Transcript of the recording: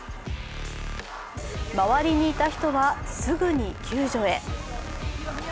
周りにいた人はすぐに救助へ。